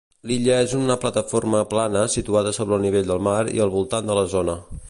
L'illa és una plataforma plana situada sobre el nivell del mar i al voltant de la zona.